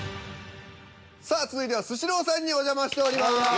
さあ続いては「スシロー」さんにお邪魔しております。